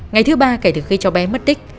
ngày thứ ba kể từ khi cháu bé mất tích